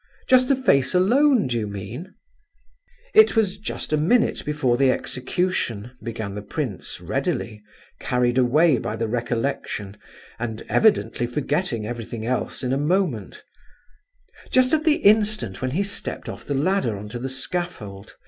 —just the face alone, do you mean?" "It was just a minute before the execution," began the prince, readily, carried away by the recollection and evidently forgetting everything else in a moment; "just at the instant when he stepped off the ladder on to the scaffold.